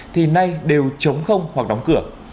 thì chúng tôi sẽ xử lý nghiêm không bao che nếu có sai phạm